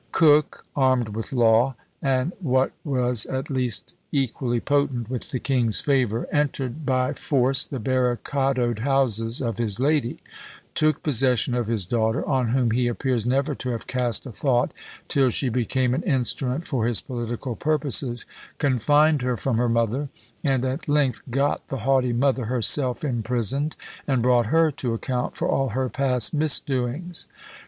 Coke armed with law, and, what was at least equally potent, with the king's favour, entered by force the barricadoed houses of his lady, took possession of his daughter, on whom he appears never to have cast a thought till she became an instrument for his political purposes, confined her from her mother, and at length got the haughty mother herself imprisoned, and brought her to account for all her past misdoings.